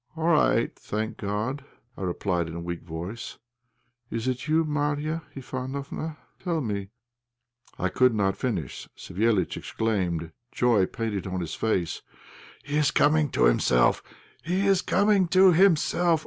"All right, thank God!" I replied in a weak voice. "It is you, Marya Ivánofna; tell me " I could not finish. Savéliitch exclaimed, joy painted on his face "He is coming to himself! he is coming to himself!